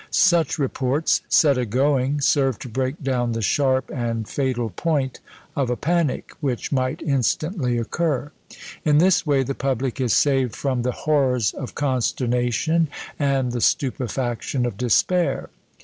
Such reports, set a going, serve to break down the sharp and fatal point of a panic, which might instantly occur; in this way the public is saved from the horrors of consternation, and the stupefaction of despair.